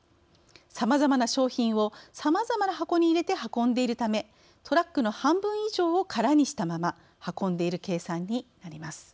さまざまな商品をさまざまな箱に入れて運んでいるためトラックの半分以上を空にしたまま運んでいる計算になります。